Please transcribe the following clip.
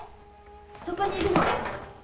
そこにいるの。